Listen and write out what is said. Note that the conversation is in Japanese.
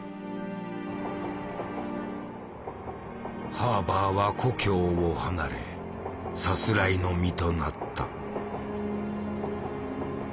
ハーバーは故郷を離れさすらいの身となった。